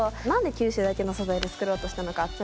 なんで九州だけの素材で作ろうとしたのか。